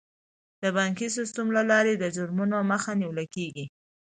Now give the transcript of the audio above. د بانکي سیستم له لارې د جرمونو مخه نیول کیږي.